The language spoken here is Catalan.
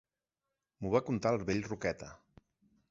M'ho va contar el vell Roqueta.